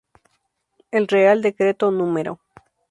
El Real Decreto núm.